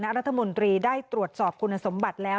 รัฐมนตรีได้ตรวจสอบคุณสมบัติแล้ว